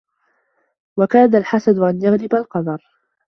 وَكَادَ الْحَسَدُ أَنْ يَغْلِبَ الْقَدَرَ